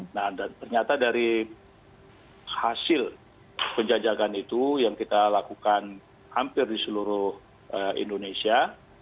dan ternyata dari hasil penjajakan itu yang kita lakukan hampir di seluruh indonesia